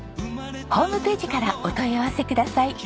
ホームページからお問い合わせください。